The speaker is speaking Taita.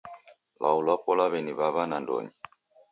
Lwau lwapo lwaw'eniw'aw'a nandonyi